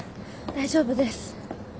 大丈夫です。